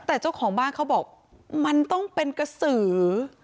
แต่เจ้าของบ้านเขาบอกมันต้องเป็นกระสือ